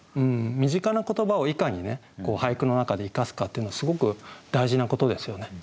身近な言葉をいかに俳句の中で生かすかっていうのすごく大事なことですよね。